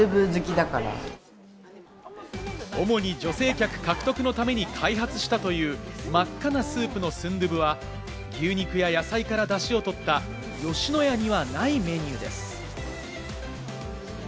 主に女性客獲得のために開発したという真っ赤なスープのスンドゥブは、牛肉や野菜からダシをとった吉野家にはないメニューです。